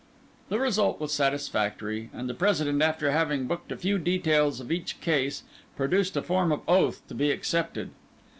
The result was satisfactory; and the President, after having booked a few details of each case, produced a form of oath to be accepted.